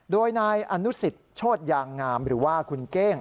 โดยนายอนุสิตโชธยางงามหรือว่าคุณเก้ง